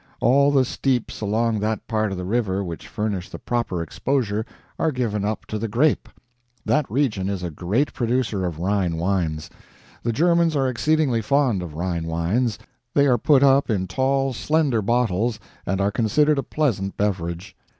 All the steeps along that part of the river which furnish the proper exposure, are given up to the grape. That region is a great producer of Rhine wines. The Germans are exceedingly fond of Rhine wines; they are put up in tall, slender bottles, and are considered a pleasant beverage.